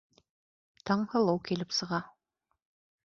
Таңһылыу килеп сыға.